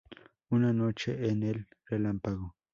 Una noche en El Relámpago